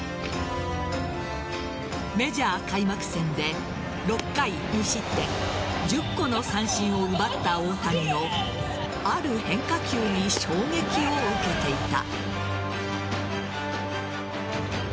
メジャー開幕戦で６回無失点１０個の三振を奪った大谷のある変化球に衝撃を受けていた。